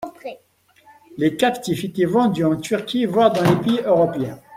Les captifs étaient vendus en Turquie voire dans les pays européens.